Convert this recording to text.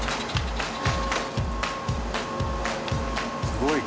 すごい。